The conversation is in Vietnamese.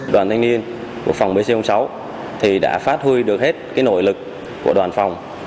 đoàn thanh niên của phòng bc sáu thì đã phát huy được hết cái nội lực của đoàn phòng